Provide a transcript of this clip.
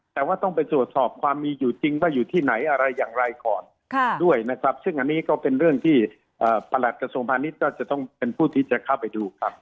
แต่ว่าต้องไปตรวจสอบความมีอยู่จริงว่าอยู่ที่ไหนอะไรอย่างไรก่อนด้วยนะครับซึ่งอันนี้ก็เป็นเรื่องที่ประหลัดกระทรวงพาณิชย์ก็จะต้องเป็นผู้ที่จะเข้าไปดูครับ